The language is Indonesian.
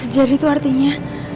jadi itu artinya